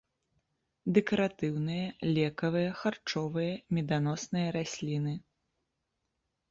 Дэкаратыўныя, лекавыя, харчовыя, меданосныя расліны.